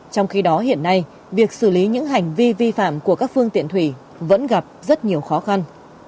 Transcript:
trong khi đó hiện nay việc xử lý những hành vi vi phạm của các phương tiện thủy vẫn gặp rất nhiều khó khăn